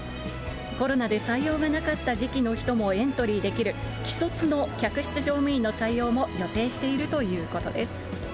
コロナで採用がなかった時期の人もエントリーできる、既卒の客室乗務員の採用も予定しているということです。